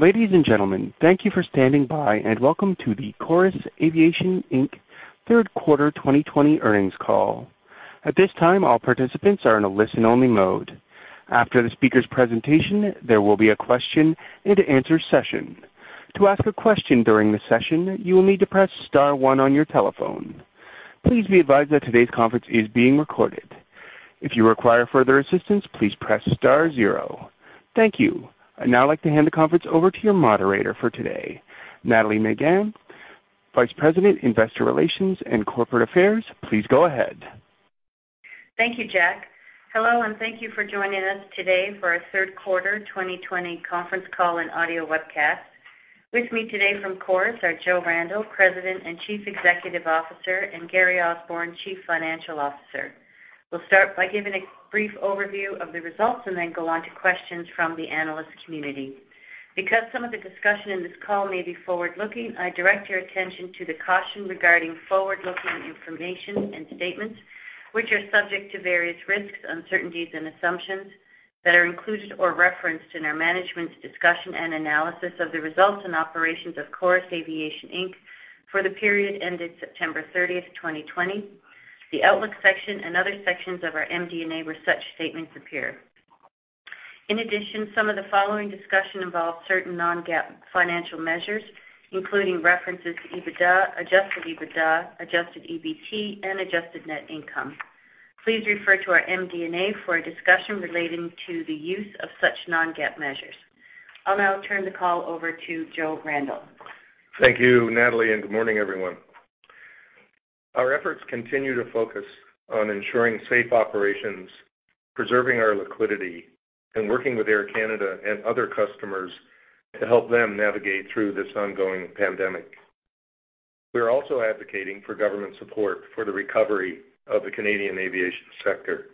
Ladies and gentlemen, thank you for standing by and welcome to the Chorus Aviation Inc. third quarter 2020 earnings call. At this time, all participants are in a listen-only mode. After the speaker's presentation, there will be a question-and-answer session. To ask a question during the session, you will need to press star one on your telephone. Please be advised that today's conference is being recorded. If you require further assistance, please press star zero. Thank you. I'd now like to hand the conference over to your moderator for today, Nathalie Megann, Vice President, Investor Relations and Corporate Affairs. Please go ahead. Thank you, Jack. Hello, and thank you for joining us today for our third quarter 2020 conference call and audio webcast. With me today from Chorus are Joe Randell, President and Chief Executive Officer, and Gary Osborne, Chief Financial Officer. We'll start by giving a brief overview of the results and then go on to questions from the analyst community. Because some of the discussion in this call may be forward-looking, I direct your attention to the caution regarding forward-looking information and statements, which are subject to various risks, uncertainties, and assumptions that are included or referenced in our management's discussion and analysis of the results and operations of Chorus Aviation Inc. for the period ended September 30th, 2020. The outlook section and other sections of our MD&A where such statements appear. In addition, some of the following discussion involves certain non-GAAP financial measures, including references to EBITDA, adjusted EBITDA, adjusted EBIT, and adjusted net income. Please refer to our MD&A for a discussion relating to the use of such non-GAAP measures. I'll now turn the call over to Joe Randell. Thank you, Nathalie, and good morning, everyone. Our efforts continue to focus on ensuring safe operations, preserving our liquidity, and working with Air Canada and other customers to help them navigate through this ongoing pandemic. We're also advocating for government support for the recovery of the Canadian aviation sector.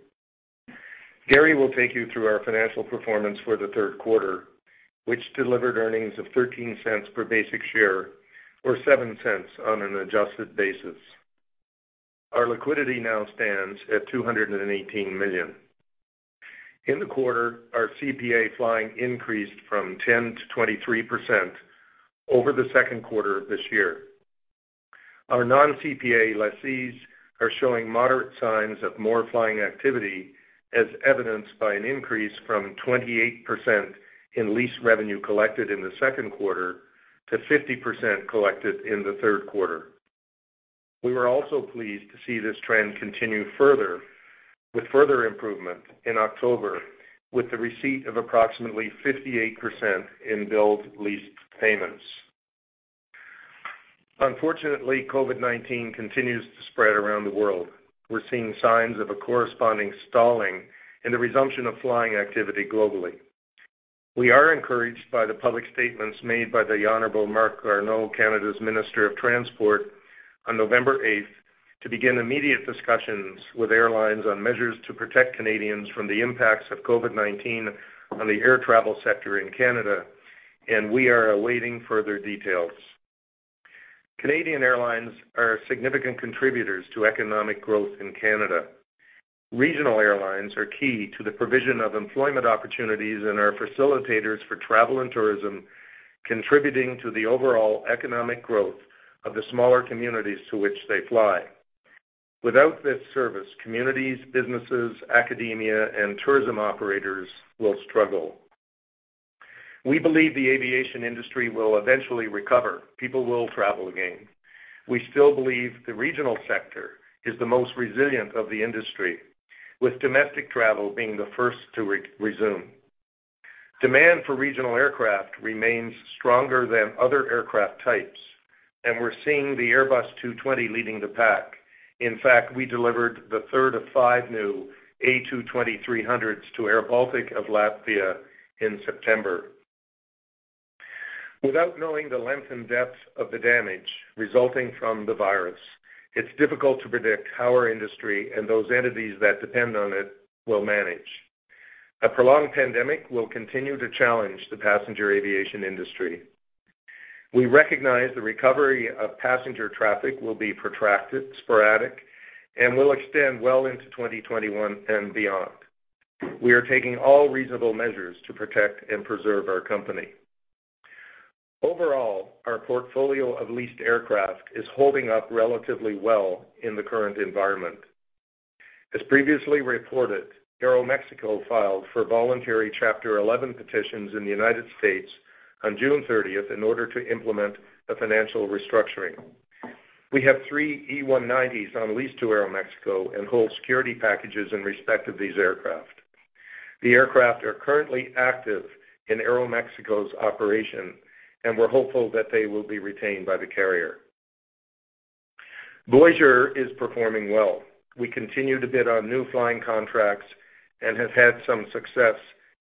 Gary will take you through our financial performance for the third quarter, which delivered earnings of 0.13 per basic share or 0.07 on an adjusted basis. Our liquidity now stands at 218 million. In the quarter, our CPA flying increased from 10%-23% over the second quarter of this year. Our non-CPA lessees are showing moderate signs of more flying activity, as evidenced by an increase from 28% in lease revenue collected in the second quarter to 50% collected in the third quarter. We were also pleased to see this trend continue further with further improvement in October with the receipt of approximately 58% in billed lease payments. Unfortunately, COVID-19 continues to spread around the world. We're seeing signs of a corresponding stalling in the resumption of flying activity globally. We are encouraged by the public statements made by the Honorable Marc Garneau, Canada's Minister of Transport, on November 8th to begin immediate discussions with airlines on measures to protect Canadians from the impacts of COVID-19 on the air travel sector in Canada, and we are awaiting further details. Canadian airlines are significant contributors to economic growth in Canada. Regional airlines are key to the provision of employment opportunities and are facilitators for travel and tourism, contributing to the overall economic growth of the smaller communities to which they fly. Without this service, communities, businesses, academia, and tourism operators will struggle. We believe the aviation industry will eventually recover. People will travel again. We still believe the regional sector is the most resilient of the industry, with domestic travel being the first to resume. Demand for regional aircraft remains stronger than other aircraft types, and we're seeing the Airbus A220 leading the pack. In fact, we delivered the third of five new A220-300s to airBaltic of Latvia in September. Without knowing the length and depth of the damage resulting from the virus, it's difficult to predict how our industry and those entities that depend on it will manage. A prolonged pandemic will continue to challenge the passenger aviation industry. We recognize the recovery of passenger traffic will be protracted, sporadic, and will extend well into 2021 and beyond. We are taking all reasonable measures to protect and preserve our company. Overall, our portfolio of leased aircraft is holding up relatively well in the current environment. As previously reported, Aeromexico filed for voluntary Chapter 11 petitions in the United States on June 30th in order to implement a financial restructuring. We have three E190s on lease to Aeromexico and hold security packages in respect of these aircraft. The aircraft are currently active in Aeromexico's operation, and we're hopeful that they will be retained by the carrier. Voyageur is performing well. We continue to bid on new flying contracts and have had some success,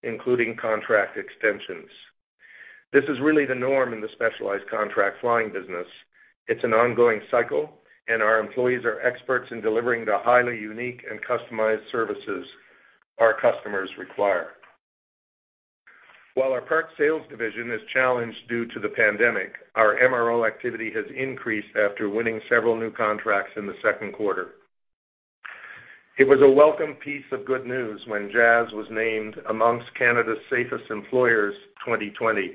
including contract extensions. This is really the norm in the specialized contract flying business. It's an ongoing cycle, and our employees are experts in delivering the highly unique and customized services our customers require. While our parts sales division is challenged due to the pandemic, our MRO activity has increased after winning several new contracts in the second quarter. It was a welcome piece of good news when Jazz was named amongst Canada's Safest Employers 2020,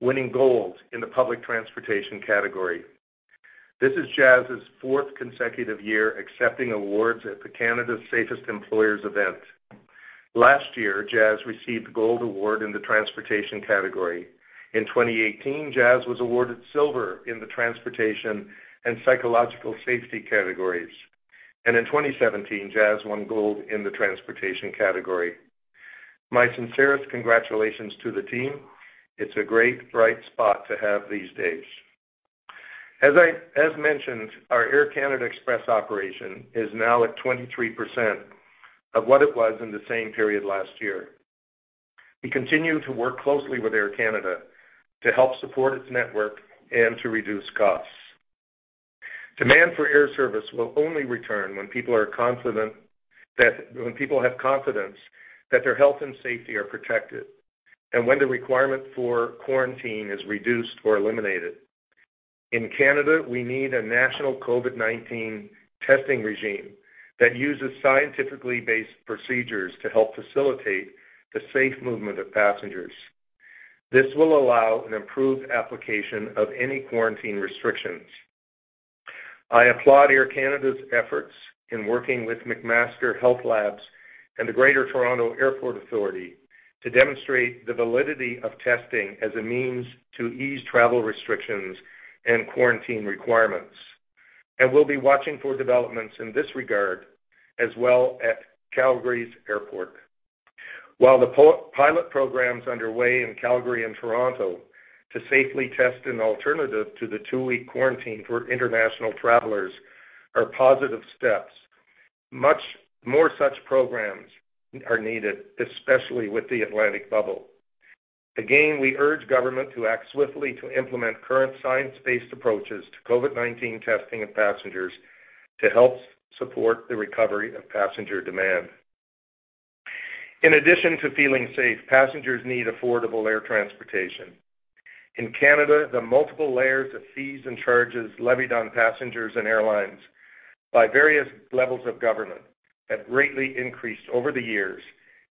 winning gold in the public transportation category. This is Jazz's fourth consecutive year accepting awards at the Canada's Safest Employers event. Last year, Jazz received gold award in the transportation category. In 2018, Jazz was awarded silver in the transportation and psychological safety categories, and in 2017, Jazz won gold in the transportation category. My sincerest congratulations to the team. It's a great, bright spot to have these days. As mentioned, our Air Canada Express operation is now at 23% of what it was in the same period last year. We continue to work closely with Air Canada to help support its network and to reduce costs. Demand for air service will only return when people have confidence that their health and safety are protected and when the requirement for quarantine is reduced or eliminated. In Canada, we need a national COVID-19 testing regime that uses scientifically based procedures to help facilitate the safe movement of passengers. This will allow an improved application of any quarantine restrictions. I applaud Air Canada's efforts in working with McMaster Health Labs and the Greater Toronto Airports Authority to demonstrate the validity of testing as a means to ease travel restrictions and quarantine requirements. We'll be watching for developments in this regard as well at Calgary's airport. While the pilot programs underway in Calgary and Toronto to safely test an alternative to the two-week quarantine for international travelers are positive steps, much more such programs are needed, especially with the Atlantic Bubble. Again, we urge government to act swiftly to implement current science-based approaches to COVID-19 testing of passengers to help support the recovery of passenger demand. In addition to feeling safe, passengers need affordable air transportation. In Canada, the multiple layers of fees and charges levied on passengers and airlines by various levels of government have greatly increased over the years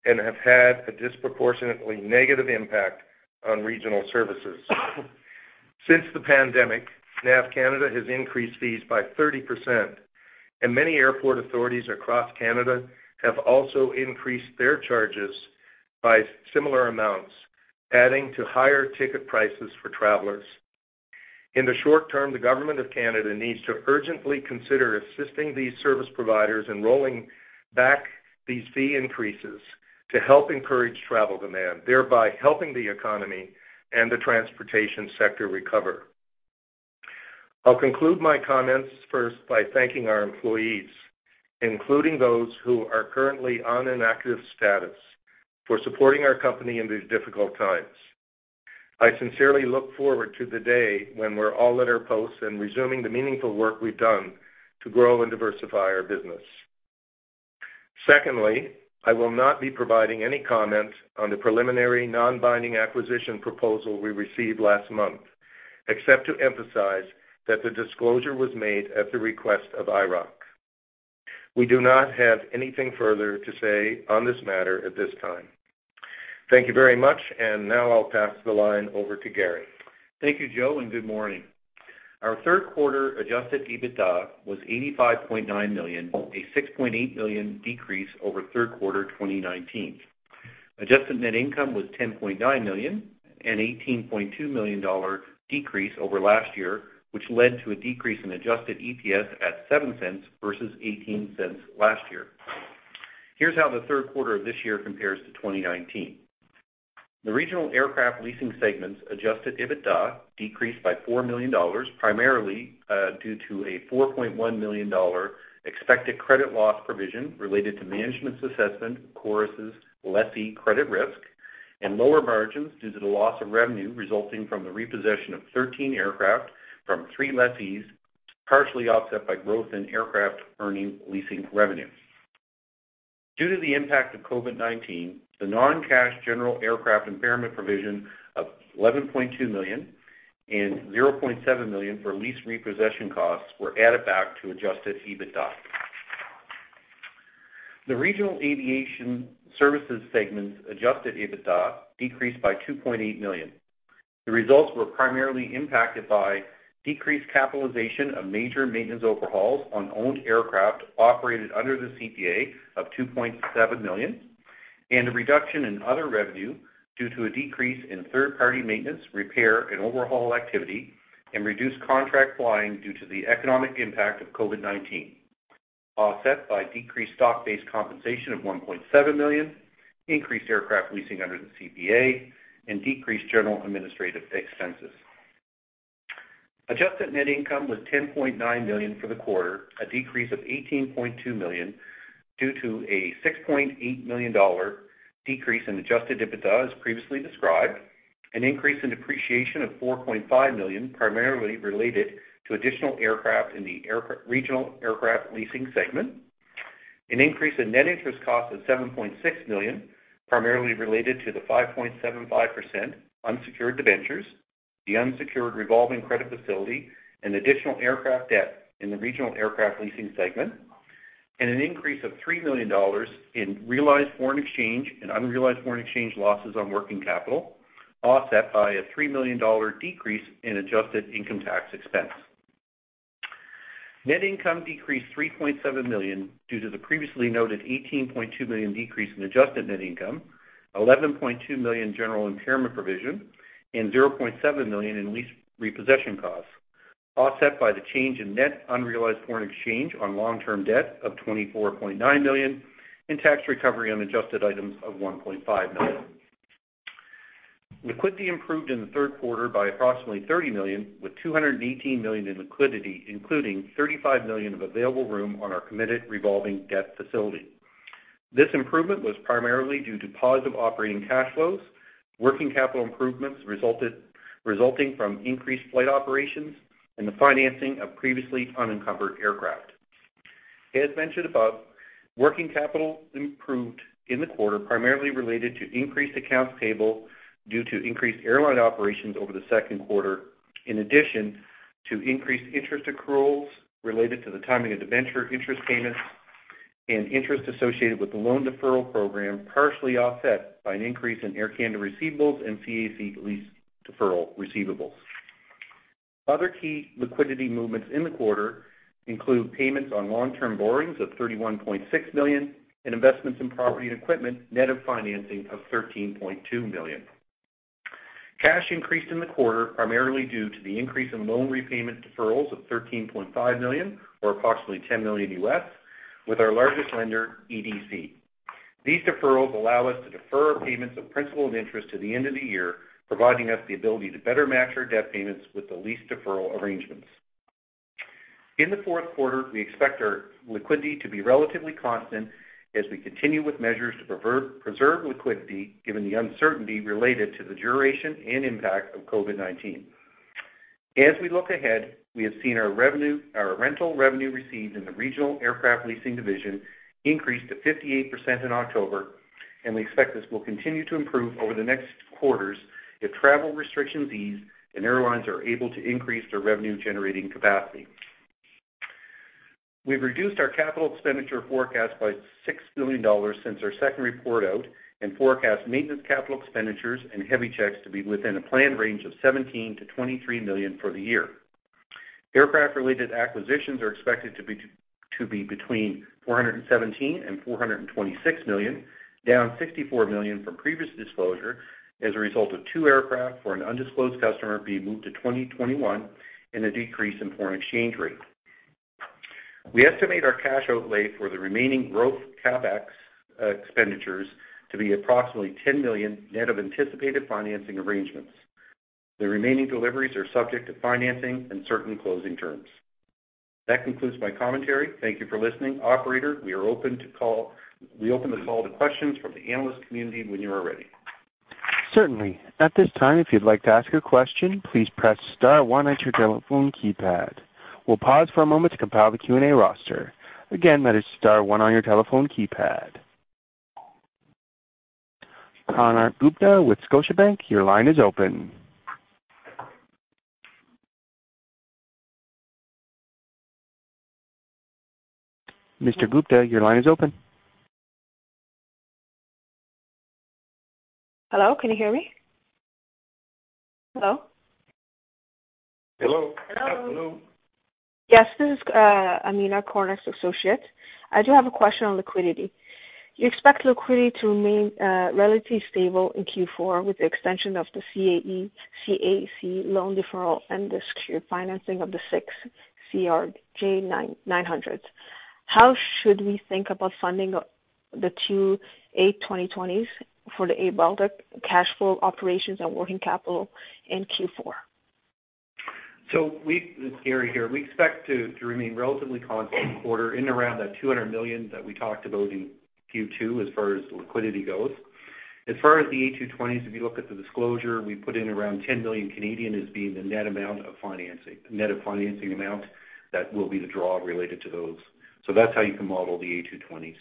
and have had a disproportionately negative impact on regional services. Since the pandemic, NAV CANADA has increased fees by 30%, and many airport authorities across Canada have also increased their charges by similar amounts, adding to higher ticket prices for travelers. In the short term, the Government of Canada needs to urgently consider assisting these service providers in rolling back these fee increases to help encourage travel demand, thereby helping the economy and the transportation sector recover. I'll conclude my comments first by thanking our employees, including those who are currently on an active status, for supporting our company in these difficult times. I sincerely look forward to the day when we're all at our posts and resuming the meaningful work we've done to grow and diversify our business. Secondly, I will not be providing any comment on the preliminary non-binding acquisition proposal we received last month, except to emphasize that the disclosure was made at the request of IIROC. We do not have anything further to say on this matter at this time. Thank you very much, and now I'll pass the line over to Gary. Thank you, Joe, and good morning. Our third quarter Adjusted EBITDA was 85.9 million, a 6.8 million decrease over third quarter 2019. Adjusted net income was 10.9 million and a 18.2 million dollar decrease over last year, which led to a decrease in adjusted EPS at 0.07 versus 0.18 last year. Here's how the third quarter of this year compares to 2019. The regional aircraft leasing segment's Adjusted EBITDA decreased by 4 million dollars, primarily due to a 4.1 million dollar expected credit loss provision related to management's assessment of Chorus' lessee credit risk and lower margins due to the loss of revenue resulting from the repossession of 13 aircraft from three lessees, partially offset by growth in aircraft earning leasing revenue. Due to the impact of COVID-19, the non-cash general aircraft impairment provision of 11.2 million and 0.7 million for lease repossession costs were added back to Adjusted EBITDA. The regional aviation services segment's Adjusted EBITDA decreased by 2.8 million. The results were primarily impacted by decreased capitalization of major maintenance overhauls on owned aircraft operated under the CPA of 2.7 million and a reduction in other revenue due to a decrease in third-party maintenance, repair, and overhaul activity and reduced contract flying due to the economic impact of COVID-19, offset by decreased stock-based compensation of 1.7 million, increased aircraft leasing under the CPA, and decreased general administrative expenses. Adjusted net income was 10.9 million for the quarter, a decrease of 18.2 million due to a 6.8 million dollar decrease in Adjusted EBITDA as previously described, an increase in depreciation of 4.5 million primarily related to additional aircraft in the regional aircraft leasing segment, an increase in net interest cost of 7.6 million primarily related to the 5.75% unsecured debentures, the unsecured revolving credit facility, and additional aircraft debt in the regional aircraft leasing segment, and an increase of 3 million dollars in realized foreign exchange and unrealized foreign exchange losses on working capital, offset by a 3 million dollar decrease in adjusted income tax expense. Net income decreased 3.7 million due to the previously noted 18.2 million decrease in adjusted net income, 11.2 million general impairment provision, and 0.7 million in lease repossession costs, offset by the change in net unrealized foreign exchange on long-term debt of 24.9 million and tax recovery on adjusted items of 1.5 million. Liquidity improved in the third quarter by approximately 30 million, with 218 million in liquidity, including 35 million of available room on our committed revolving debt facility. This improvement was primarily due to positive operating cash flows, working capital improvements resulting from increased flight operations, and the financing of previously unencumbered aircraft. As mentioned above, working capital improved in the quarter primarily related to increased accounts payable due to increased airline operations over the second quarter, in addition to increased interest accruals related to the timing of debenture interest payments and interest associated with the loan deferral program, partially offset by an increase in Air Canada receivables and CAC lease deferral receivables. Other key liquidity movements in the quarter include payments on long-term borrowings of 31.6 million and investments in property and equipment, net of financing of 13.2 million. Cash increased in the quarter primarily due to the increase in loan repayment deferrals of 13.5 million, or approximately $10 million, with our largest lender, EDC. These deferrals allow us to defer payments of principal and interest to the end of the year, providing us the ability to better match our debt payments with the lease deferral arrangements. In the fourth quarter, we expect our liquidity to be relatively constant as we continue with measures to preserve liquidity given the uncertainty related to the duration and impact of COVID-19. As we look ahead, we have seen our rental revenue received in the regional aircraft leasing division increase to 58% in October, and we expect this will continue to improve over the next quarters if travel restrictions ease and airlines are able to increase their revenue-generating capacity. We've reduced our capital expenditure forecast by 6 million dollars since our second report out and forecast maintenance capital expenditures and heavy checks to be within a planned range of 17 million-23 million for the year. Aircraft-related acquisitions are expected to be between 417 million and 426 million, down 64 million from previous disclosure as a result of two aircraft for an undisclosed customer being moved to 2021 and a decrease in foreign exchange rate. We estimate our cash outlay for the remaining growth CapEx expenditures to be approximately 10 million net of anticipated financing arrangements. The remaining deliveries are subject to financing and certain closing terms. That concludes my commentary. Thank you for listening. Operator, we are open to call. We open the call to questions from the analyst community when you are ready. Certainly. At this time, if you'd like to ask a question, please press star one at your telephone keypad. We'll pause for a moment to compile the Q&A roster. Again, that is star one on your telephone keypad. Konark Gupta with Scotiabank, your line is open. Mr. Gupta, your line is open. Hello, can you hear me? Hello? Hello. Hello. Hello. Yes, this is Amina Corner, Associate. I do have a question on liquidity. You expect liquidity to remain relatively stable in Q4 with the extension of the CAC loan deferral and the secure financing of the 6 CRJ900s. How should we think about funding the 2 A220s for the airBaltic cash flow operations and working capital in Q4? So we, Gary, here, we expect to remain relatively constant in the quarter in around 200 million that we talked about in Q2 as far as liquidity goes. As far as the A220s, if you look at the disclosure, we put in around 10 million as being the net amount of financing, net of financing amount that will be the draw related to those. So that's how you can model the A220s.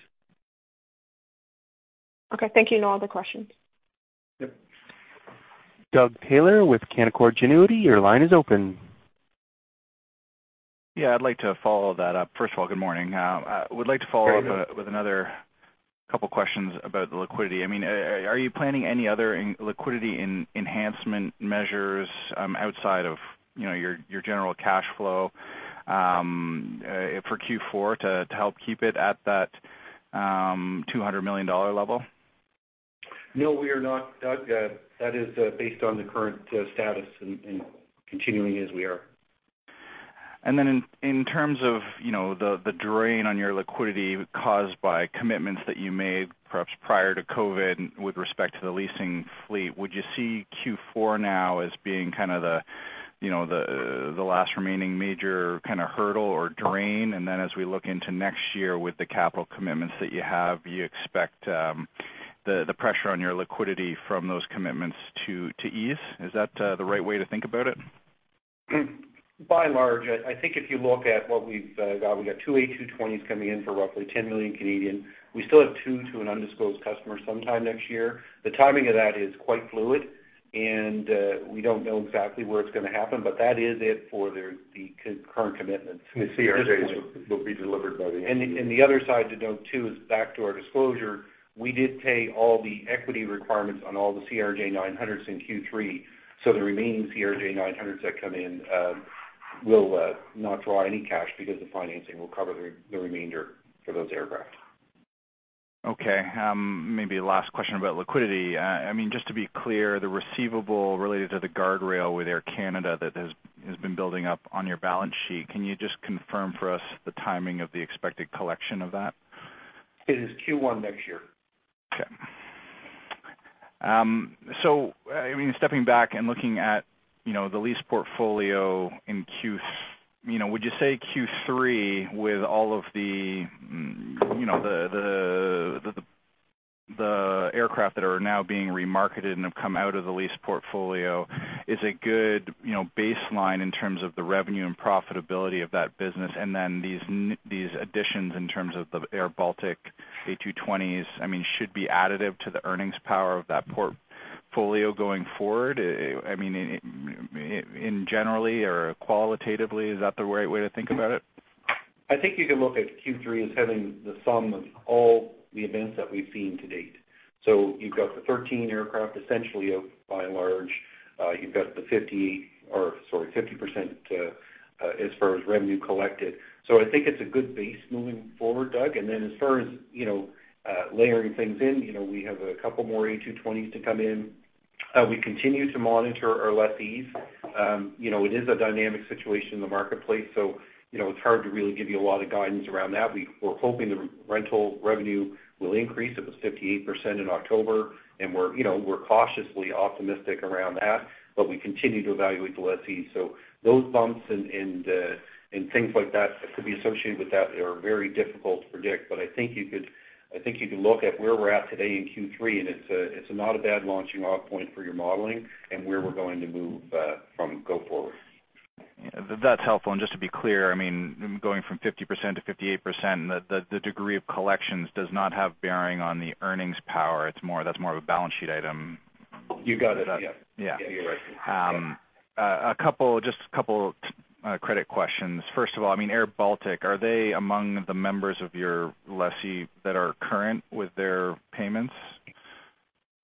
Okay, thank you. No other questions. Yep. Doug Taylor with Canaccord Genuity, your line is open. Yeah, I'd like to follow that up. First of all, good morning. I would like to follow up with another couple of questions about the liquidity. I mean, are you planning any other liquidity enhancement measures outside of your general cash flow for Q4 to help keep it at that 200 million dollar level? No, we are not, Doug. That is based on the current status and continuing as we are. Then in terms of the drain on your liquidity caused by commitments that you made perhaps prior to COVID with respect to the leasing fleet, would you see Q4 now as being kind of the last remaining major kind of hurdle or drain? Then as we look into next year with the capital commitments that you have, you expect the pressure on your liquidity from those commitments to ease? Is that the right way to think about it? By and large, I think if you look at what we've got, we've got two A220s coming in for roughly 10 million. We still have two to an undisclosed customer sometime next year. The timing of that is quite fluid, and we don't know exactly where it's going to happen, but that is it for the current commitments. The CRJs will be delivered by the end of Q4. The other side to note too is back to our disclosure, we did pay all the equity requirements on all the CRJ900s in Q3, so the remaining CRJ900s that come in will not draw any cash because the financing will cover the remainder for those aircraft. Okay. Maybe last question about liquidity. I mean, just to be clear, the receivable related to the guardrail with Air Canada that has been building up on your balance sheet, can you just confirm for us the timing of the expected collection of that? It is Q1 next year. Okay. So I mean, stepping back and looking at the lease portfolio in Q3, would you say Q3 with all of the aircraft that are now being remarketed and have come out of the lease portfolio, is a good baseline in terms of the revenue and profitability of that business? And then these additions in terms of the airBaltic A220s, I mean, should be additive to the earnings power of that portfolio going forward? I mean, in general or qualitatively, is that the right way to think about it? I think you can look at Q3 as having the sum of all the events that we've seen to date. So you've got the 13 aircraft essentially by and large. You've got the 50% or sorry, 50% as far as revenue collected. So I think it's a good base moving forward, Doug. And then as far as layering things in, we have a couple more A220s to come in. We continue to monitor our lessees. It is a dynamic situation in the marketplace, so it's hard to really give you a lot of guidance around that. We're hoping the rental revenue will increase. It was 58% in October, and we're cautiously optimistic around that, but we continue to evaluate the lessees. So those bumps and things like that that could be associated with that are very difficult to predict. I think you could look at where we're at today in Q3, and it's not a bad launching-off point for your modeling and where we're going to move from go forward. That's helpful. And just to be clear, I mean, going from 50%-58%, the degree of collections does not have bearing on the earnings power. That's more of a balance sheet item. You got it. Yeah, you're right. A couple, just a couple credit questions. First of all, I mean, airBaltic, are they among the members of your lessee that are current with their payments?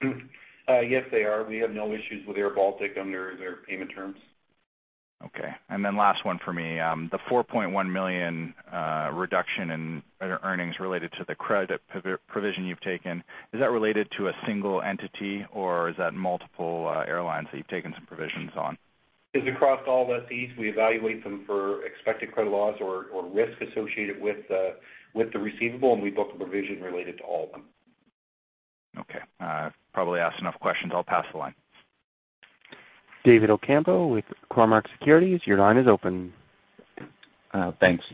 Yes, they are. We have no issues with airBaltic under their payment terms. Okay. Then last one for me, the 4.1 million reduction in earnings related to the credit provision you've taken, is that related to a single entity or is that multiple airlines that you've taken some provisions on? It's across all lessees. We evaluate them for expected credit loss or risk associated with the receivable, and we book a provision related to all of them. Okay. Probably asked enough questions. I'll pass the line. David Ocampo with Cormark Securities, your line is open. Thanks.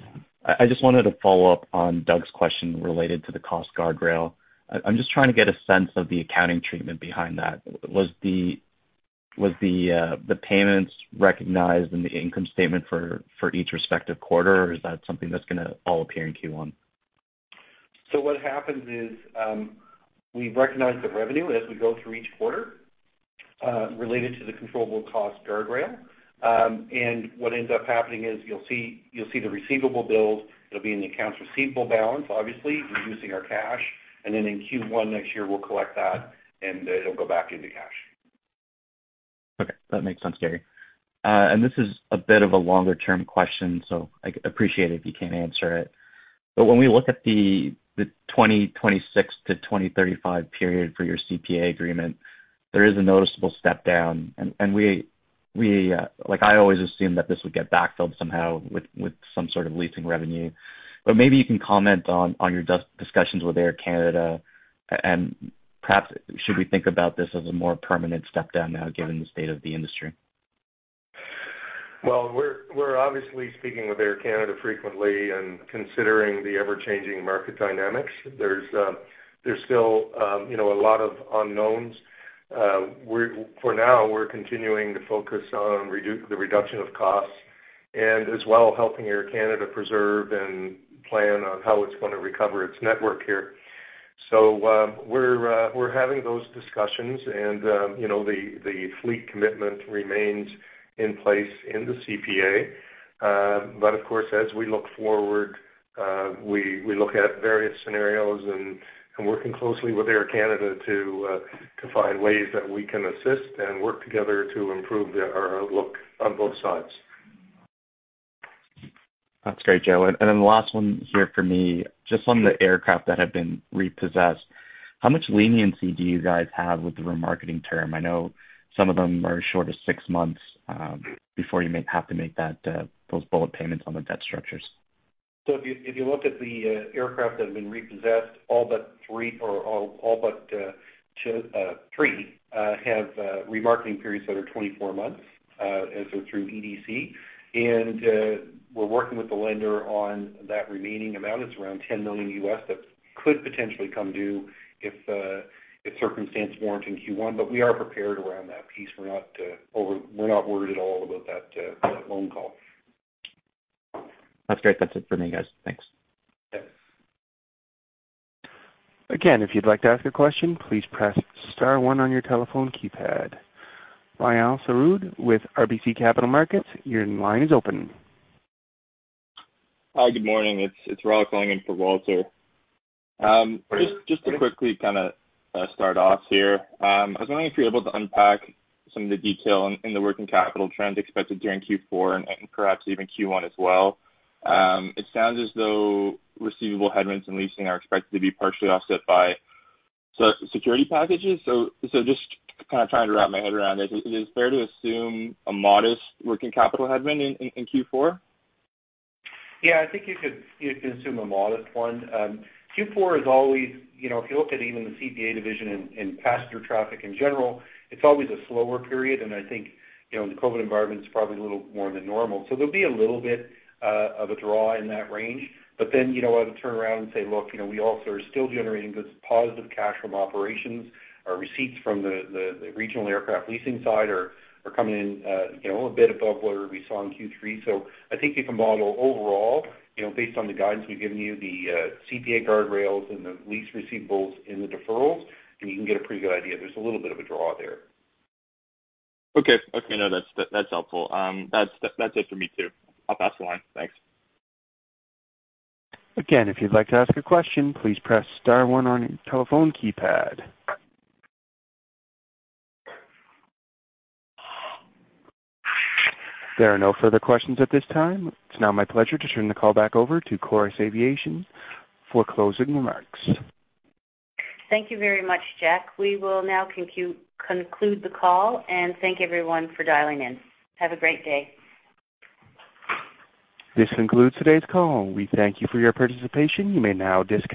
I just wanted to follow up on Doug's question related to the cost guardrail. I'm just trying to get a sense of the accounting treatment behind that. Was the payments recognized in the income statement for each respective quarter, or is that something that's going to all appear in Q1? So what happens is we recognize the revenue as we go through each quarter related to the Controllable Cost Guardrail. What ends up happening is you'll see the receivable builds. It'll be in the accounts receivable balance, obviously, reducing our cash. Then in Q1 next year, we'll collect that, and it'll go back into cash. Okay. That makes sense, Gary. And this is a bit of a longer-term question, so I appreciate it if you can't answer it. But when we look at the 2026 to 2035 period for your CPA agreement, there is a noticeable step down. And I always assumed that this would get backfilled somehow with some sort of leasing revenue. But maybe you can comment on your discussions with Air Canada, and perhaps should we think about this as a more permanent step down now given the state of the industry? Well, we're obviously speaking with Air Canada frequently and considering the ever-changing market dynamics. There's still a lot of unknowns. For now, we're continuing to focus on the reduction of costs and as well helping Air Canada preserve and plan on how it's going to recover its network here. So we're having those discussions, and the fleet commitment remains in place in the CPA. But of course, as we look forward, we look at various scenarios and working closely with Air Canada to find ways that we can assist and work together to improve our outlook on both sides. That's great, Joe. Then the last one here for me, just on the aircraft that have been repossessed, how much leniency do you guys have with the remarketing term? I know some of them are short of six months before you may have to make those bullet payments on the debt structures. If you look at the aircraft that have been repossessed, all but three or all but three have remarketing periods that are 24 months as they're through EDC. We're working with the lender on that remaining amount. It's around $10 million that could potentially come due if circumstances warrant in Q1. We are prepared around that piece. We're not worried at all about that loan call. That's a great question for me, guys. Thanks. Okay. Again, if you'd like to ask a question, please press star one on your telephone keypad. Raul Alcerude with RBC Capital Markets, your line is open. Hi, good morning. It's Raul calling in for Walter. Just to quickly kind of start off here, I was wondering if you're able to unpack some of the detail in the working capital trend expected during Q4 and perhaps even Q1 as well. It sounds as though receivable headwinds in leasing are expected to be partially offset by security packages. So just kind of trying to wrap my head around this, is it fair to assume a modest working capital headwind in Q4? Yeah, I think you could assume a modest one. Q4 is always, if you look at even the CPA division and passenger traffic in general, it's always a slower period. And I think the COVID environment is probably a little more than normal. So there'll be a little bit of a draw in that range. But then you know what? I'll turn around and say, "Look, we also are still generating good positive cash from operations. Our receipts from the regional aircraft leasing side are coming in a bit above where we saw in Q3." So I think you can model overall based on the guidance we've given you, the CPA guardrails and the lease receivables in the deferrals, and you can get a pretty good idea. There's a little bit of a draw there. Okay. Okay. I know that's helpful. That's it for me too. I'll pass the line. Thanks. Again, if you'd like to ask a question, please press star one on your telephone keypad. There are no further questions at this time. It's now my pleasure to turn the call back over to Chorus Aviation for closing remarks. Thank you very much, Jack. We will now conclude the call, and thank everyone for dialing in. Have a great day. This concludes today's call. We thank you for your participation. You may now disconnect.